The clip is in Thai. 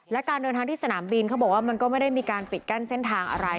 และการเดินทางที่สนามบินเขาบอกว่ามันก็ไม่ได้มีการปิดกั้นเส้นทางอะไร